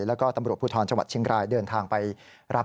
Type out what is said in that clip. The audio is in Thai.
แล้วก็ตำรวจภูทรจังหวัดเชียงรายเดินทางไปรับ